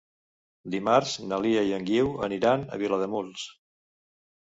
Dimarts na Lia i en Guiu aniran a Vilademuls.